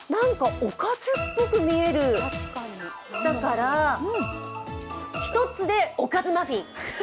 おかずっぽく見えるだから、一つでおかずマフィン！